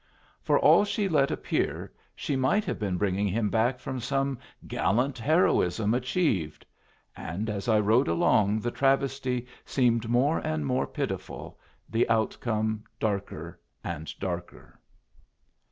For all she let appear, she might have been bringing him back from some gallant heroism achieved; and as I rode along the travesty seemed more and more pitiful, the outcome darker and darker.